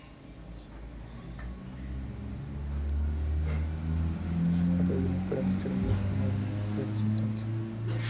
No puede vivir fuera de un ser vivo por más de unos breves instantes.